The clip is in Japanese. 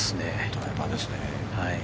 ドライバーですね。